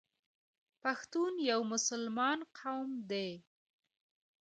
پښتون یو مسلمان قوم دی.